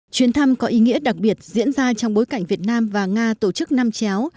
chuyến thăm có ý nghĩa đặc biệt diễn ra trong bối cảnh việt nam và nga tổ chức năm chéo